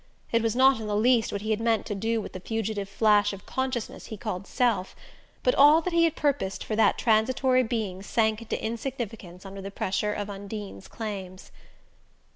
It was not in the least what he had meant to do with the fugitive flash of consciousness he called self; but all that he had purposed for that transitory being sank into insignificance under the pressure of Undine's claims.